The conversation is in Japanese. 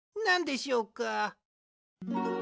なんでしょうか。